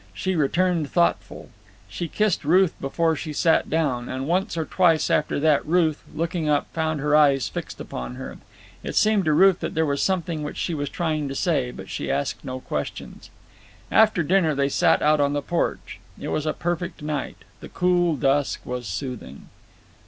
She returned thoughtful. She kissed Ruth before she sat down, and once or twice after that Ruth, looking up, found her eyes fixed upon her. It seemed to Ruth that there was something which she was trying to say, but she asked no questions. After dinner they sat out on the porch. It was a perfect night. The cool dusk was soothing.